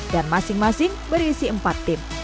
dan masing masing berisi empat tim